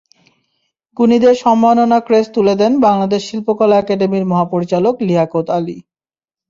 গুণীদের সম্মাননা ক্রেস্ট তুলে দেন বাংলাদেশ শিল্পকলা একাডেমির মহাপরিচালক লিয়াকত আলী।